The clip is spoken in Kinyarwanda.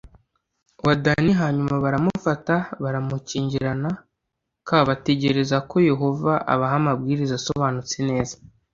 wa dani hanyuma baramufata baramukingirana k bategereza koyehova abaha amabwiriza asobanutse neza